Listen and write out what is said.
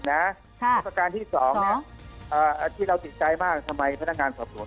ประการที่๒ที่เราติดใจมากทำไมพนักงานสอบสวน